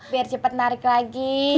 biar cepet narik lagi